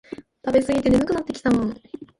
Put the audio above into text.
食べすぎて眠くなってきた